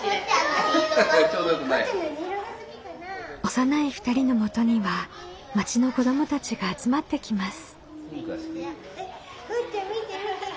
幼い２人のもとには町の子どもたちが集まってきます。